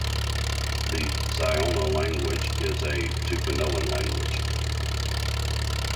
The Siona language is a Tucanoan language.